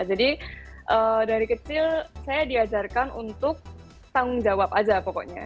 jadi dari kecil saya diajarkan untuk tanggung jawab aja pokoknya